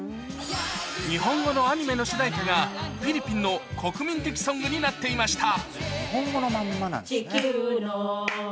日本語のアニメの主題歌が、フィリピンの国民的ソングになっていました。